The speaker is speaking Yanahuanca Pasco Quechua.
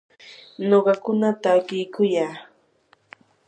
nuqakuna takiykuyaa.